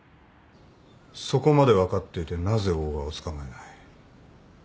そこまで分かっててなぜ大賀を捕まえない？